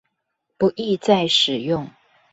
不易再使用